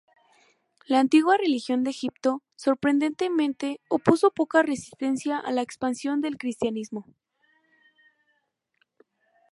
La antigua religión de Egipto, sorprendentemente, opuso poca resistencia a la expansión del cristianismo.